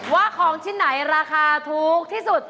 ว่าของชิ้นไหนราคาถูกที่สุด